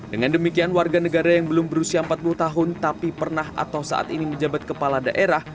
dengan demikian warga negara yang belum berusia empat puluh tahun tapi pernah atau saat ini menjabat kepala daerah